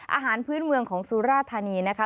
อาหารพื้นเมืองของสุราธานีนะคะ